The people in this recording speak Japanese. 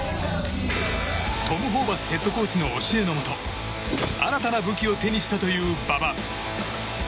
トム・ホーバスヘッドコーチの教えのもと新たな武器を手にしたという馬場。